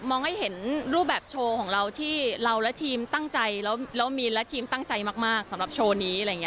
ให้เห็นรูปแบบโชว์ของเราที่เราและทีมตั้งใจแล้วมีและทีมตั้งใจมากสำหรับโชว์นี้อะไรอย่างนี้